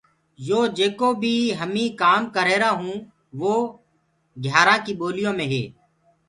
يو جيڪو بي هميٚنٚ ڪآم ڪر رهيرآ هوُنٚ وو گيآرآ ڪيٚ ٻوليو مي هي۔